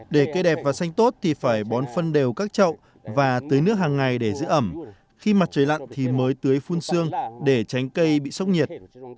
để cây đẹp và xanh tốt thì phải bón phân đều các trậu và tưới nước hàng ngày để giữ ẩm khi mặt trời lặn thì mới tưới phun xương để tránh cây bị sốc nhiệt